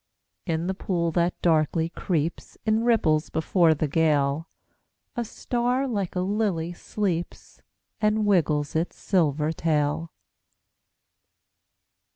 In the pool that darkly creeps In ripples before the gale, A star like a lily sleeps And wiggles its silver tail.